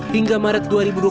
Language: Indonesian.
hingga maret dua ribu dua puluh